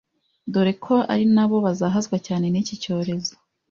dore ko ari nabo bazahazwa cyane n’iki cyorezo.